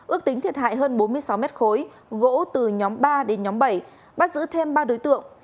ước tính thiệt hại hơn bốn mươi sáu mét khối gỗ từ nhóm ba đến nhóm bảy bắt giữ thêm ba đối tượng